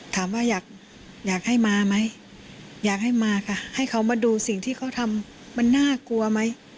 ถามว่าอยากให้มาไหมอยากให้มาค่ะให้เขามาดูสิ่งที่เขาทำมันน่ากลัวไหม